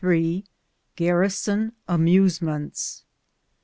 GAKRISON AMUSEMENTS.